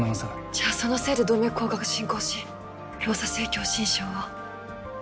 じゃあそのせいで動脈硬化が進行し労作性狭心症を。